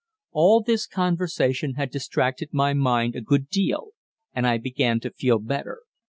All this conversation had distracted my mind a good deal, and I began to feel better.